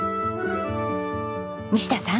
西田さん。